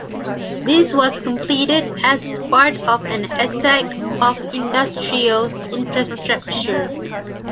This was completed as part of an attack on industrial infrastructure.